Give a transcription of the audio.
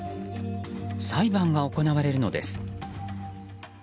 裁判が行われるのです。